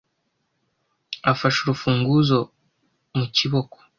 afashe urufunguzo mu kiboko